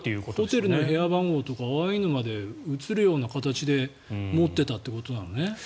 ホテルの部屋番号とかああいうのまで映るような形で持っていたということだよね。